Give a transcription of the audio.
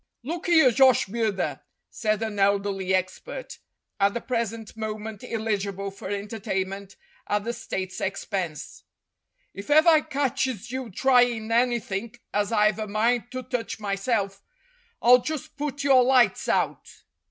"Look 'ere, Josh Bidder," said an elderly expert, at the present moment eligible for entertainment at the State's expense, "if ever I catches you tryin' anythink as I've a mind to touch myself, I'll just put your lights out